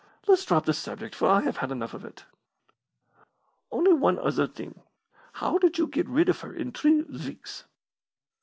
Let's drop the subject, for I have had enough of it!" "Only one other thing. How did you get rid of her in three weeks?"